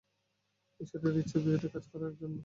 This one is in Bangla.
ঈশ্বরের ইচ্ছের বিরুদ্ধে কাজ করার জন্য!